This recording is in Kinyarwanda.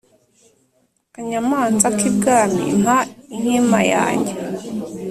kanyamanza k’ibwami mpa inkima yanjye.’